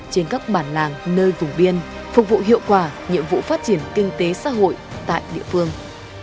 trên các bản làng nơi vùng biên phục vụ hiệu quả nhiệm vụ phát triển kinh tế xã hội tại địa phương